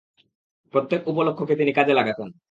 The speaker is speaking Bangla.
প্রত্যেক উপলক্ষ্যকে তিনি কাজে লাগাতেন।